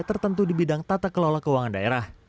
tertentu di bidang tata kelola keuangan daerah